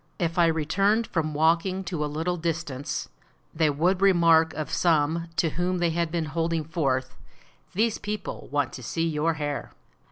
" If I returned from walking to a little distance, they 391 WESTERN AND CENTRAL AFRICA would remark of some to whom they had been holding forth, ''These people want to see your hair."